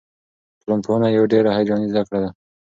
ټولنپوهنه یوه ډېره هیجاني زده کړه ده.